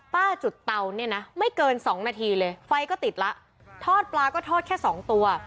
จุดเตาเนี่ยนะไม่เกินสองนาทีเลยไฟก็ติดแล้วทอดปลาก็ทอดแค่สองตัว